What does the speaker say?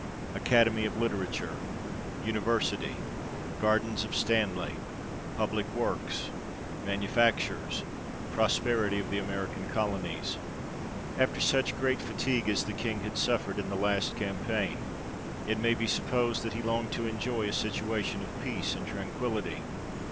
Academy of Literature. University. Gardens of Stanley. Public Works. Manufactures. Prosperity of the American colonies. AFTER such great fatigue as the King had suffered in the last campaign, it may be supposed that he longed to enjoy a situation of peace and tranquillity.